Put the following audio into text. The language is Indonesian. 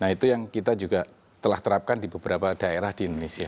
nah itu yang kita juga telah terapkan di beberapa daerah di indonesia